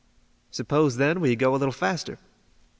"Suppose, then, we go a little faster."